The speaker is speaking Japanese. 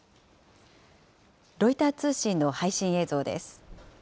ロイター通信の配信映像です。